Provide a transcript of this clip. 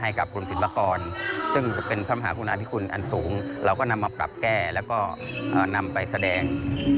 กับกรมศิลปากรซึ่งเป็นพระมหาคุณาธิคุณอันสูงเราก็นำมาปรับแก้แล้วก็นำไปแสดง